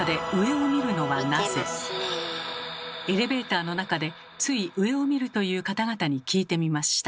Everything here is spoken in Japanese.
エレベーターの中でつい上を見るという方々に聞いてみました。